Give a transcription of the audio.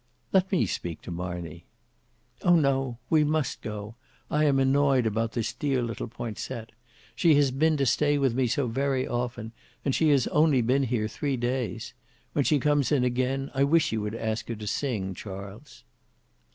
"Let me speak to Marney." "Oh! no. We must go. I am annoyed about this dear little Poinsett: she has been to stay with me so very often, and she has only been here three days. When she comes in again, I wish you would ask her to sing, Charles."